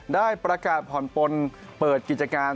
ได้ประกาศผ่อนปนเปิดกิจการ